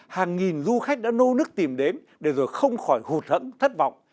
hàng nghìn du khách đã nô nức tìm đến để rồi không khỏi hụt hẫng thất vọng